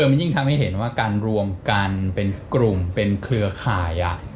มันยิ่งทำให้เห็นว่าการรวมกันเป็นกลุ่มเป็นเครือข่าย